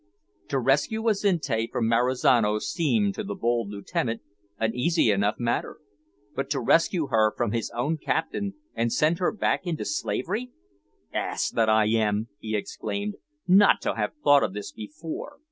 To rescue Azinte from Marizano seemed to the bold Lieutenant an easy enough matter; but to rescue her from his own Captain, and send her back into slavery! "Ass! that I am," he exclaimed, "not to have thought of this before.